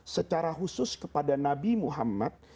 secara khusus kepada nabi muhammad